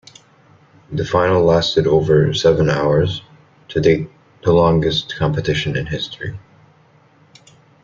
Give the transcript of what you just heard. The final lasted over seven hours, to date the longest competition in history.